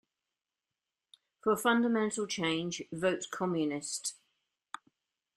For fundamental change, Vote Communist.